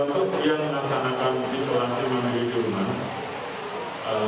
maka untuk dia melaksanakan isolasi mandiri di rumah